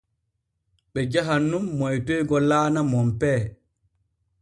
Ɓe jahan nun moytoygo laana Monpee.